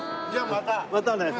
またね。